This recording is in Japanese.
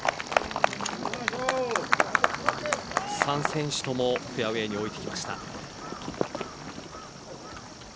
３選手ともフェアウエーに置いてきました。